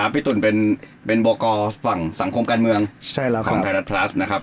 พี่ตุ๋นเป็นโบกฝั่งสังคมการเมืองของไทยรัฐพลัสนะครับ